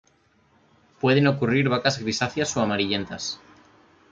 Pueden ocurrir vacas grisáceas o amarillentas.